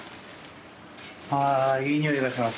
ああ。